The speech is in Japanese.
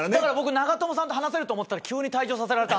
長友さんと話せると思ったら急に退場させられて。